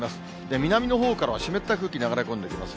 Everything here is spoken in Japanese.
南のほうからは湿った空気流れ込んできます。